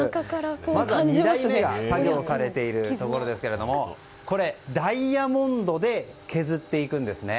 まず２代目が作業されているところですがこれ、ダイヤモンドで削っていくんですね。